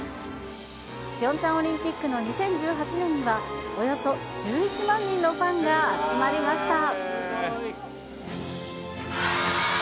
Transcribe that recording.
ピョンチャンオリンピックの２０１８年には、およそ１１万人のファンが集まりました。